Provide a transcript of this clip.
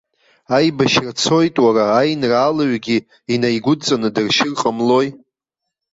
Аибашьра цоит, уара, аинраалаҩгьы инаигәыдҵаны дыршьыр ҟамлои?!